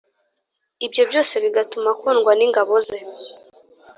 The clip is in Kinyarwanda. ibyo byose bigatuma akundwa n ingabo ze